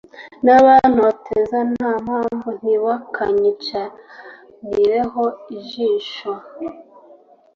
n’abantoteza nta mpamvu ntibakanyicanireho ijisho